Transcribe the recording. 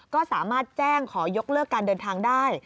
ก็สามารถแจ้งขอยกเลิกการเดินทางได้